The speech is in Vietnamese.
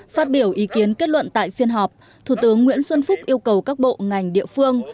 phát biểu ý kiến kết luận tại phiên họp thủ tướng nguyễn xuân phúc yêu cầu các bộ ngành địa phương